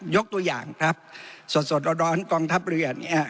ยกตัวอย่างครับสดสดร้อนกองทัพเรือเนี่ย